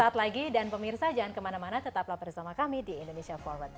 saat lagi dan pemirsa jangan kemana mana tetaplah bersama kami di indonesia forward